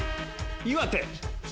岩手。